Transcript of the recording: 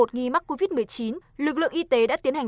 nghi mắc covid một mươi chín lực lượng y tế đã tiến hành